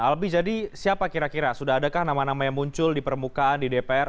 albi jadi siapa kira kira sudah adakah nama nama yang muncul di permukaan di dpr